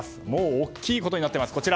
大きいことになってます！